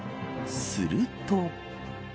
すると。